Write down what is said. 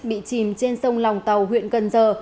bị chìm trên sông lòng tàu huyện cần thơ